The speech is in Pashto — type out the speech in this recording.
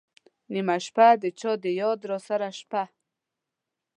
نېمه شپه ، د چا د یاد راسره شپه